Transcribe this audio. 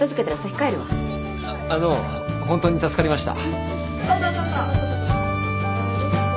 あの本当に助かりました。